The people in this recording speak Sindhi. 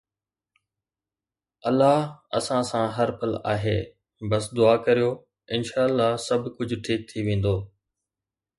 الله اسان سان هر پل آهي، بس دعا ڪريو، انشاءَ الله سڀ ڪجهه ٺيڪ ٿي ويندو